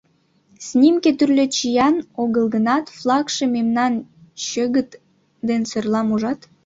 Снимке тӱрлӧ чиян огыл гынат, флагше мемнан, чӧгыт ден сорлам ужат?